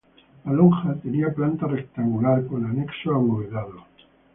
La Lonja tenía planta rectangular, con anexo abovedado.